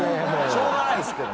しょうがないですけど。